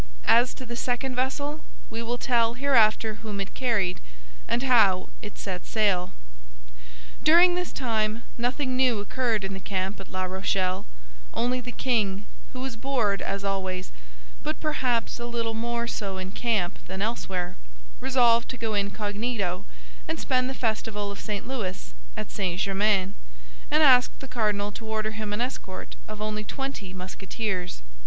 As to the second vessel, we will tell hereafter whom it carried, and how it set sail. During this time nothing new occurred in the camp at La Rochelle; only the king, who was bored, as always, but perhaps a little more so in camp than elsewhere, resolved to go incognito and spend the festival of St. Louis at St. Germain, and asked the cardinal to order him an escort of only twenty Musketeers.